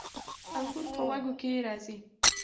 انګور په وږو کې راځي